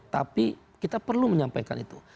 tapi kita perlu menyampaikan itu